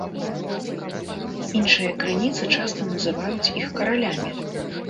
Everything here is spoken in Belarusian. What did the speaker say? Іншыя крыніцы часта называюць іх каралямі.